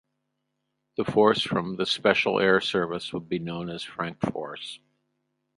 The force from the Special Air Service would be known as Frankforce.